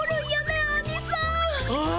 ああ！